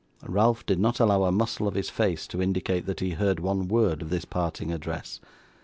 Ralph did not allow a muscle of his face to indicate that he heard one word of this parting address.